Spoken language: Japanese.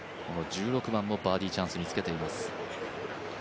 この１６番もバーディーチャンスにつけています。